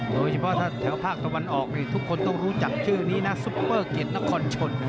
โดยเฉพาะถ้าแถวภาคตะวันออกนี่ทุกคนต้องรู้จักชื่อนี้นะซุปเปอร์เก็ตนครชน